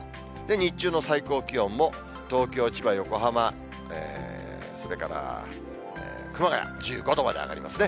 日中の最高気温も、東京、千葉、横浜、それから熊谷１５度まで上がりますね。